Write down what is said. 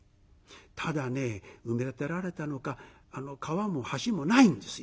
ただね埋め立てられたのか川も橋もないんですよ。